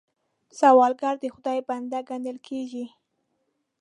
سوالګر د خدای بنده ګڼل کېږي